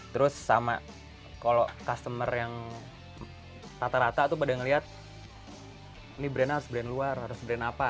terus sama kalau customer yang rata rata pada melihat ini brand nya harus brand luar harus brand apa